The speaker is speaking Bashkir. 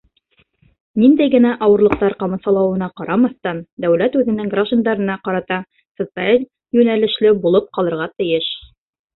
— Ниндәй генә ауырлыҡтар ҡамасаулауына ҡарамаҫтан, дәүләт үҙенең граждандарына ҡарата социаль йүнәлешле булып ҡалырға тейеш.